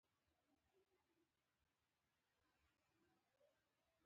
هغوی په سنتي ډول د اړتیا په وخت کې جنګېدل